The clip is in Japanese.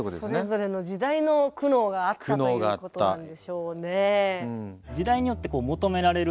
それぞれの時代の苦悩があったということなんでしょうね。